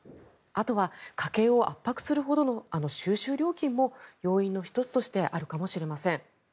あとは家計を圧迫するほどの収集料金も要因の１つとしてあるかもしれません。